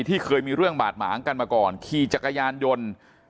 เคยมีเรื่องบาดหมางกันมาก่อนขี่จักรยานยนต์